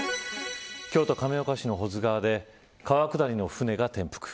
京都、亀岡市の保津川で川下りの舟が転覆。